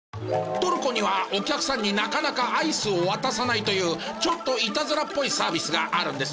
トルコにはお客さんになかなかアイスを渡さないというちょっといたずらっぽいサービスがあるんですよね。